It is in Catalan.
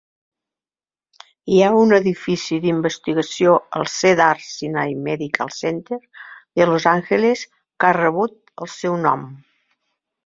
Hi ha un edifici d'investigació al Cedars-Sinai Medical Center de Los Angeles que ha rebut el seu nom.